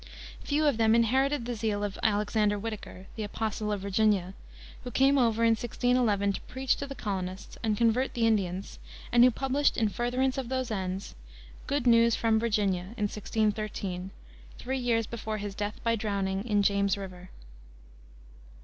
Few of them inherited the zeal of Alexander Whitaker, the "Apostle of Virginia," who came over in 1611 to preach to the colonists and convert the Indians, and who published in furtherance of those ends Good News from Virginia, in 1613, three years before his death by drowning in James River.